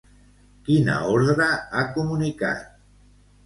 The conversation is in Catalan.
Quina ordre ha comunicat?